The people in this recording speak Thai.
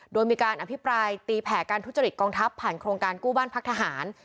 โดยมีการอภิปรายตีแผ่การทุจริตกองทัพผ่านโครงการกู้บ้านพักทหาร